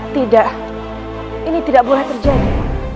tidak ini tidak boleh terjadi